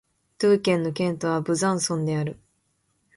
ドゥー県の県都はブザンソンである